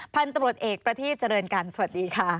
พันธุรกิจเอกประธิบจริงกันสวัสดีค่ะ